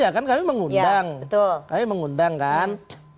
kami mengundang kami mengundang kan